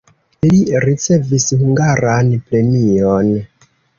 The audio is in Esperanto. Li ricevis hungaran premion.